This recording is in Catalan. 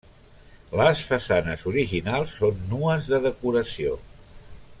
Les façanes originals són nues de decoració.